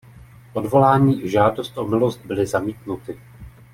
Odvolání i žádost o milost byly zamítnuty.